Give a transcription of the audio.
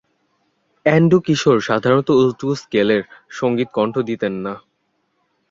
Andrew Kishore সাধারণত উঁচু স্কেলের সঙ্গীতে কন্ঠ দিতেন না।